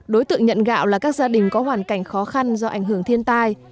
đối tượng nhận gạo là các gia đình có hoàn cảnh khó khăn do ảnh hưởng thiên tai